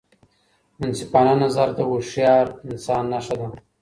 منصفانه نظر د هوښیار انسان نښه ده.